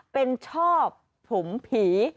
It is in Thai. เป็นชอบผมผี